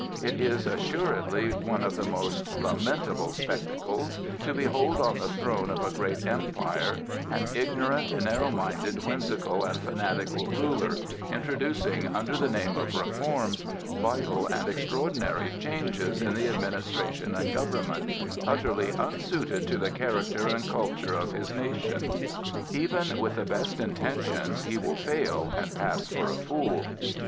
It is assuredly one of the most lamentable spectacles to behold on the throne of a great Empire an ignorant, narrow minded, whimsical, and fanatical ruler, introducing, under the name of "reforms," vital and extraordinary changes in the administration and government, utterly unsuited to the character and culture of his nation. Even with the best intentions he will fail and pass for a fool.